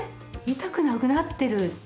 痛くなくなってる。